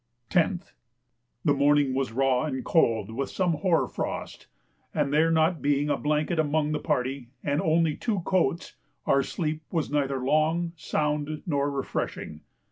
10th. The morning was raw and cold with some hoar frost, and there not being a blanket among the party and only two coats, our sleep was neither long, sound, nor refreshing.